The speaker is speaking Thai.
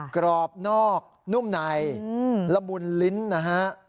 กรอบนอกนุ่มในละมุนลิ้นนะฮะ